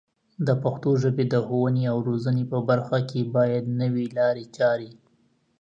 د پښتو ژبې د ښوونې او روزنې په برخه کې باید نوې لارې چارې